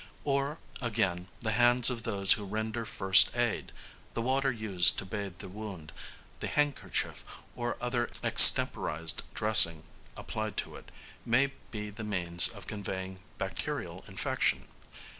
Or, again, the hands of those who render first aid, the water used to bathe the wound, the handkerchief or other extemporised dressing applied to it, may be the means of conveying bacterial infection.